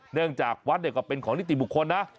เนื่องจากวัดก็เป็นของนิติบุคคลนะ